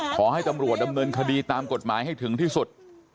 ขอให้ตำรวจดำเนินคดีตามกฎหมายให้ถึงที่สุด